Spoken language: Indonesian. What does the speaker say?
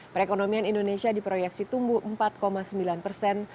perekonomian indonesia diproyeksi tumbuh empat sembilan persen